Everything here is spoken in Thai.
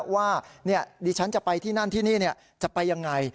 ว่าดิฉันจะไปที่นั่นที่นี่จะไปยังไง